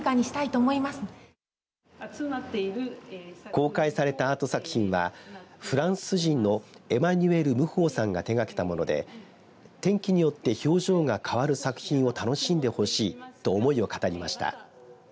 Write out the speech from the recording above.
公開されたアート作品はフランス人のエマニュエル・ムホーさんが手がけたもので天気によって表情が変わる作品を楽しんでほしいと思いを語りました。